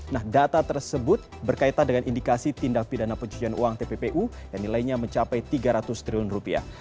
nah data tersebut berkaitan dengan indikasi tindak pidana pencucian uang tppu yang nilainya mencapai tiga ratus triliun rupiah